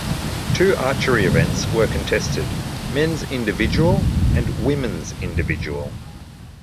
Two archery events were contested: men's individual and women's individual.